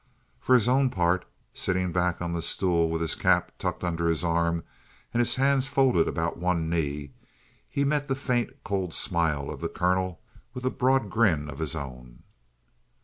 For his own part, sitting back on the stool with his cap tucked under his arm and his hands folded about one knee, he met the faint, cold smile of the colonel with a broad grin of his own.